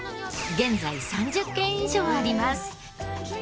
現在３０軒以上あります。